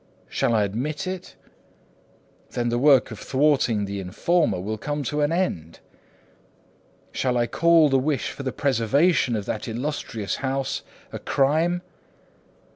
Shall I admit it? Then the work of thwarting the informer will come to an end. Shall I call the wish for the preservation of that illustrious house a crime?